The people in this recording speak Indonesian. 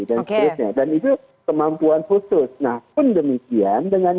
sebagainya dan itu kemampuan pusus nah pun demikian dengan